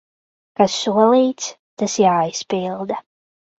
Kas solīts, tas jāizpilda.